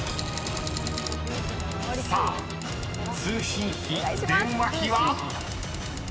［さあ通信費・電話費は⁉］